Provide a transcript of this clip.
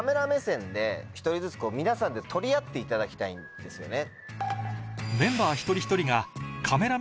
１人ずつ皆さんで撮り合っていただきたいんですよね。